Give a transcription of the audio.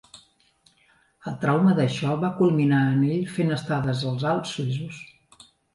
El trauma d'això va culminar en ell fent estades als Alps suïssos.